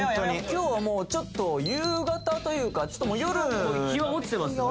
今日はもうちょっと夕方というかちょっともう夜日は落ちてますよね